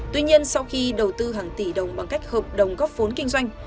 tuy nhiên sau khi đầu tư hàng tỷ đồng bằng cách hợp đồng góp vốn kinh doanh